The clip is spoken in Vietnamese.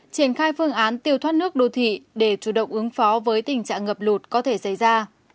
triển khai phương án tiêu thoát nước đô thị để chủ động ứng phó với tình trạng ngập lụt có thể xảy ra